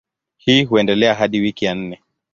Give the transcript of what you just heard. Hii huendelea hadi wiki ya nne.